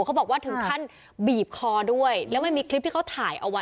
เขาบอกว่าถึงขั้นบีบคอด้วยแล้วมันมีคลิปที่เขาถ่ายเอาไว้